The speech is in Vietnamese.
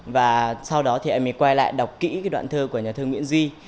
và sau đó thì em mới quay lại đọc kỹ cái đoạn thơ của nhà thơ nguyễn duy